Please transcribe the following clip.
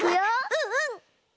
うんうん！